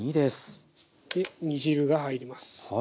煮汁が入ります。